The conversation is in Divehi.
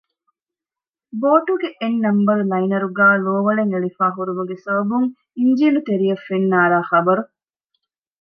ބޯޓުގެ އެއް ނަންބަރު ލައިނަރުގައި ލޯވަޅެއް އެޅިފައި ހުރުމުގެ ސަބަބުން އިންޖީނު ތެރެއަށް ފެން ނާރާ ޚަބަރު